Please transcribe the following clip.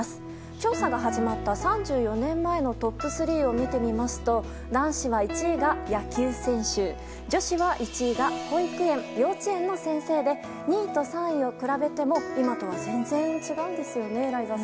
調査が始まった３４年前のトップ３を見てみますと男子は１位が野球選手女子は１位が保育園・幼稚園の先生で２位と３位を比べても今とは全然違うんですよね